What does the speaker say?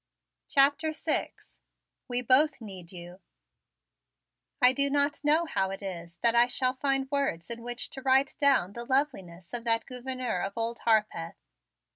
CHAPTER VI "WE BOTH NEED YOU" I do not know how it is that I shall find words in which to write down the loveliness of that Gouverneur of Old Harpeth.